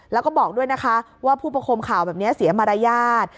แล้วก็บอกด้วยนะคะว่าผู้ประคมข่าวแบบนี้เสียมารยาท